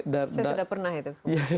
saya sudah pernah itu